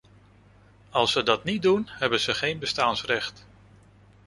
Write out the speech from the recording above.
Als ze dat niet doen, hebben ze geen bestaansrecht.